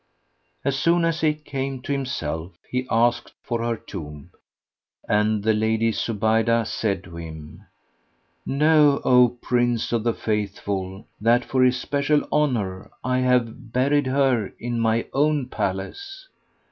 As soon as he came to himself, he asked for her tomb, and the Lady Zubaydah said to him, "Know, O Prince of the Faithful, that for especial honour I have buried her in my own palace."